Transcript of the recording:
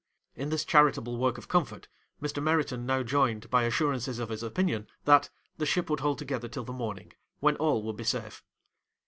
'In this charitable work of comfort, Mr. Meriton now joined, by assurances of his opinion, that, the ship would hold together till the morning, when all would be safe.